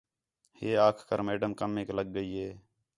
ہِے آکھ کر میڈم کمیک لڳ ڳئی ہے